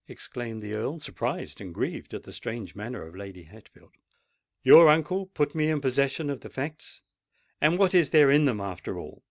exclaimed the Earl, surprised and grieved at the strange manner of Lady Hatfield. "Your uncle put me in possession of the facts: and what is there in them, after all?